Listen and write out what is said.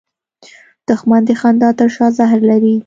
دښمن د خندا تر شا زهر لري